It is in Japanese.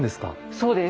そうです。